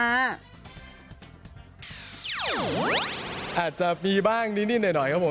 อาจจะมีบ้างนิดหน่อยครับผม